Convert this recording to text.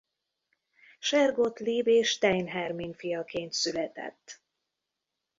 Scheer Gottlieb és Stein Hermin fiaként született.